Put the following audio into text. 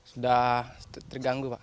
sudah terganggu pak